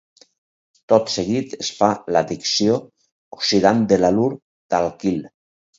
Tot seguit es fa l'addició oxidant de l'halur d'alquil.